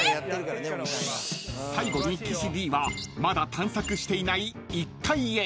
［最後に岸Ｄはまだ探索していない１階へ］